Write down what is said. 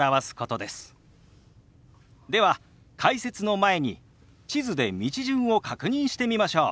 では解説の前に地図で道順を確認してみましょう。